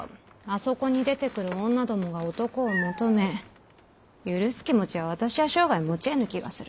そこに出てくる女どもが男を求め許す気持ちは私は生涯持ちえぬ気がする。